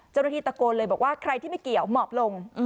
เจ้าหน้าที่ตะโกนเลยบอกว่าใครที่ไม่เกี่ยวหมอบลง